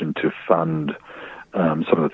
untuk mendukung beberapa hal